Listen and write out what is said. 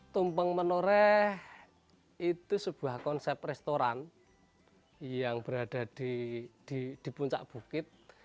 tumpeng menoreh itu sebuah konsep restoran yang berada di puncak bukit